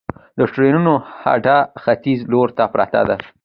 د ټرېنونو هډه ختیځ لور ته پرته ده